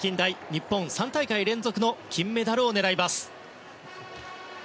日本、３大会連続の金メダルを狙います。